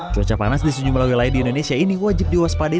cuaca panas di sejumlah wilayah di indonesia ini wajib diwaspadai